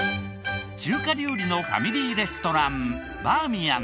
中華料理のファミリーレストラン。